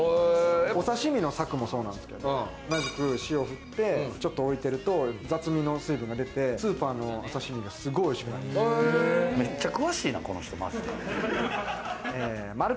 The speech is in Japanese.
お刺身の柵もそうなんですけど、塩振ってちょっと置いてると、雑味の水分が出て、スーパーの刺し身が、すごい美味しくなる。